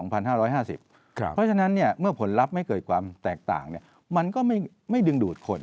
เพราะฉะนั้นเมื่อผลลัพธ์ไม่เกิดความแตกต่างมันก็ไม่ดึงดูดคน